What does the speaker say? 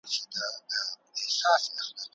ستاسو په زړه کي به د انسانیت مینه وي.